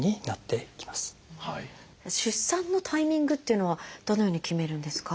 出産のタイミングっていうのはどのように決めるんですか？